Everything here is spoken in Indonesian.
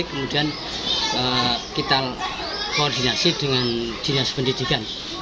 kemudian kita koordinasi dengan dinas pendidikan